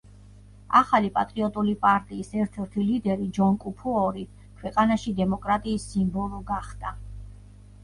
ახალი პატრიოტული პარტიის ერთ-ერთი ლიდერი ჯონ კუფუორი ქვეყანაში დემოკრატიის სიმბოლო გახდა.